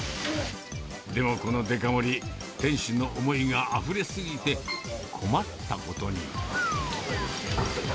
でもこのデカ盛り、店主の思いがあふれ過ぎて、困ったことに。